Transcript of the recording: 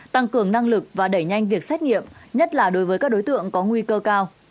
tăng cường năng lực và đẩy nhanh việc xét nghiệm nhất là đối với các đối tượng có nguy cơ cao